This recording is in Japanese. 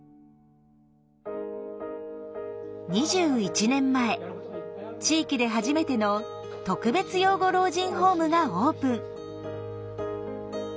２１年前地域で初めての特別養護老人ホームがオープン。